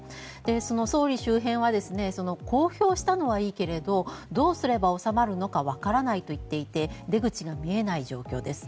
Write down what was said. その総理周辺は公表したのはいいけれどどうすれば収まるのかわからないと言っていて出口が見えない状況です。